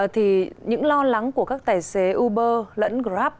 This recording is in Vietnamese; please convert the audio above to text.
thì những lo lắng của các tài xế uber lẫn grab